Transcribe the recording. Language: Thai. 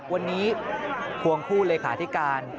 วันนี้ควงคู่เลขาธิการ